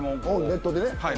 ネットでね。